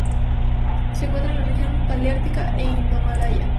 Se encuentra en la región paleártica e indomalaya.